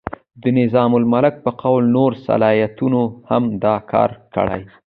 د نظام الملک په قول نورو سلاطینو هم دا کار کړی.